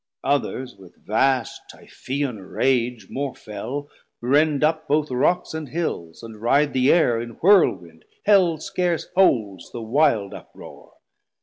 Others with vast Typhoean rage more fell Rend up both Rocks and Hills, and ride the Air 540 In whirlwind; Hell scarce holds the wilde uproar.